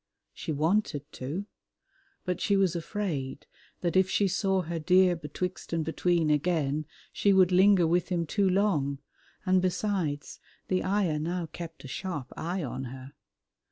She wanted to, but she was afraid that if she saw her dear Betwixt and Between again she would linger with him too long, and besides the ayah now kept a sharp eye on her.